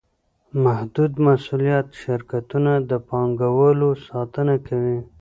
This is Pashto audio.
محدودالمسوولیت شرکتونه د پانګوالو ساتنه کوي.